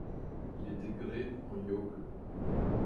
Il était gréé en yawl.